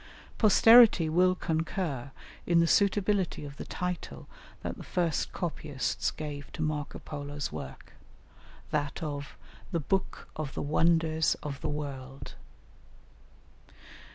Posterity will concur in the suitability of the title that the first copyists gave to Marco Polo's work, that of "The Book of the Wonders of the World."